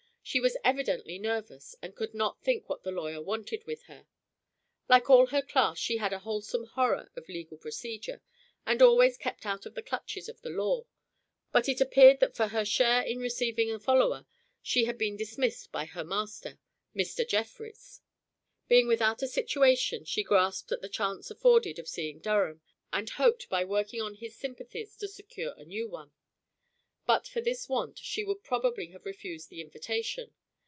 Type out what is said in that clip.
She was evidently nervous, and could not think what the lawyer wanted with her. Like all her class she had a wholesome horror of legal procedure, and always kept out of the clutches of the law. But it appeared that for her share in receiving a follower she had been dismissed by her master, Mr. Jefferies. Being without a situation she grasped at the chance afforded of seeing Durham, and hoped by working on his sympathies to secure a new one. But for this want she would probably have refused the invitation.